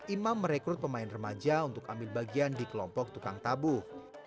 imam merekrut pemain remaja untuk ambil bagian di kelompok tukang tabuh